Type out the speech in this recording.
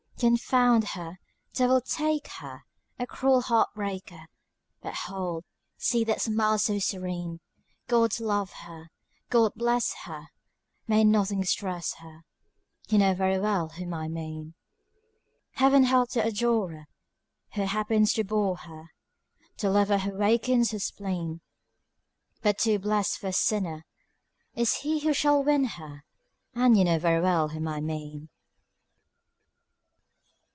Confound her! devil take her! A cruel heart breaker But hold! see that smile so serene. God love her! God bless her! May nothing distress her! You know very well whom I mean. Heaven help the adorer Who happens to bore her, The lover who wakens her spleen; But too blest for a sinner Is he who shall win her, And you know very well whom I mean.